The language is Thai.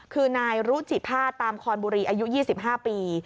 คือนายรุจิภาษตามคอนบุรีอายุ๒๕ปี